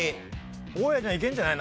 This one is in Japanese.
大家ちゃんいけるんじゃない？